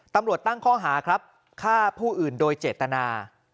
ตำรวจตั้งข้อหาครับฆ่าผู้อื่นโดยเจตนา